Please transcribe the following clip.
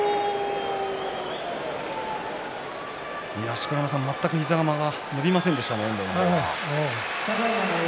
錣山さん、全く膝が伸びませんでしたね、遠藤。